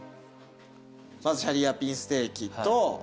まずシャリアピンステーキと。